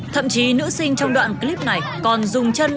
thậm chí nữ sinh trong đoạn clip này còn dùng chân